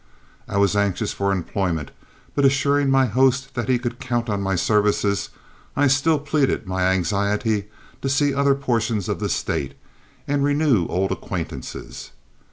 I was anxious for employment, but assuring my host that he could count on my services, I still pleaded my anxiety to see other portions of the State and renew old acquaintances.